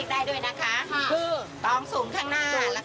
ได้ก็คุณแม่ก็เห็นว่า